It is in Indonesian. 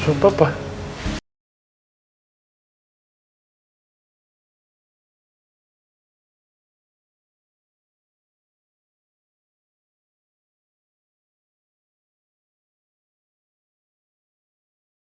tentangbout hal halusing dibutuhkan igual di bawah atas kegiatan keh guid momento